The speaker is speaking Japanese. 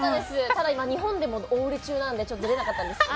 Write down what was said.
ただ今日本でもお売れ中なんでちょっと出れなかったんですけど。